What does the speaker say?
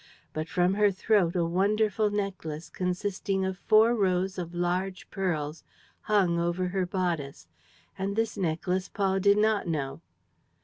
But from her throat a wonderful necklace, consisting of four rows of large pearls, hung over her bodice; and this necklace Paul did not know.